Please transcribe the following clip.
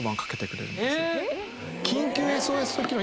緊急ＳＯＳ機能